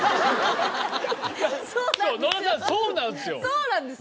そうなんです。